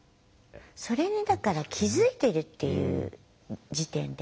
それにだから気付いてるっていう時点で。